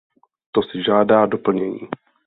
To si žádá doplnění.